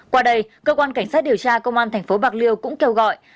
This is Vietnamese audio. qua đây cơ quan cảnh sát điều tra công an tp bạc liêu cũng kêu gọi